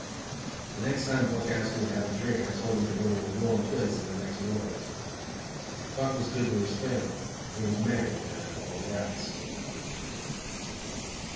The next time Buck asked me to have a drink I told him to go to a warm place in the next world. Buck was good to his family. He was married and had a couple of brats.